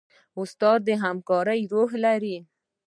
استاد د همکارۍ روح لري.